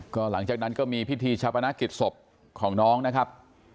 ก็หลังจากนั้นก็มีพิธีชาปนกิจศพของน้องนะครับ